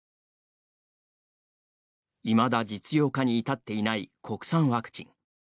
いまだ実用化に至っていない国産ワクチン。